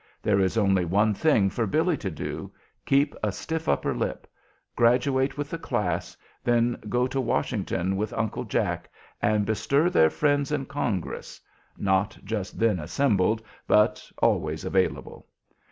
There is only one thing for Billy to do: keep a stiff upper lip; graduate with the class, then go to Washington with 'Uncle Jack,' and bestir their friends in Congress," not just then assembled, but always available.